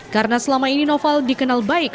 karena selama ini noval dikenal baik